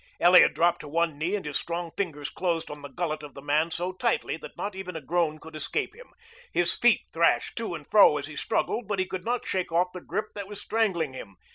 Elliot dropped to one knee and his strong fingers closed on the gullet of the man so tightly that not even a groan could escape him. His feet thrashed to and fro as he struggled, but he could not shake off the grip that was strangling him.